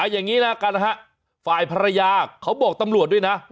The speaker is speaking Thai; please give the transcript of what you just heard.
อย่างนี้ละกันนะฮะฝ่ายภรรยาเขาบอกตำรวจด้วยนะ